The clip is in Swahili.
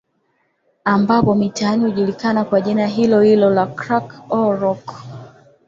ambapo mitaani hujulikana kwa jina hilohilo crack au rock